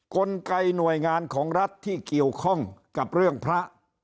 กลไกหน่วยงานของรัฐที่เกี่ยวข้องกับเรื่องพระ